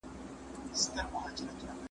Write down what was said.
که تمرکز موجود وای نو تېروتنه به نه وای سوې.